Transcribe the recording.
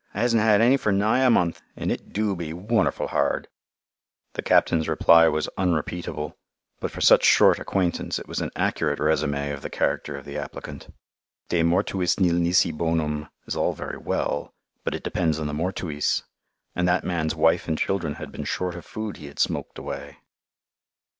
I hasn't had any for nigh a month, and it do be wonderful hard." The captain's reply was unrepeatable, but for such short acquaintance it was an accurate résumé of the character of the applicant. De mortuis nil nisi bonum is all very well, but it depends on the mortuis; and that man's wife and children had been short of food he had "smoked away."